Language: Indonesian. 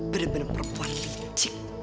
benar benar perempuan licik